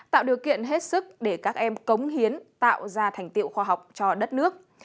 tạo điều kiện hết sức để các em cống hiến tạo ra thành tiệu khoa học cho đất nước